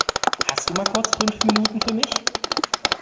Hast du mal kurz fünf Minuten für mich?